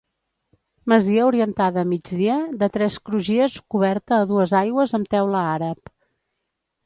Masia orientada a migdia de tres crugies coberta a dues aigües amb teula àrab.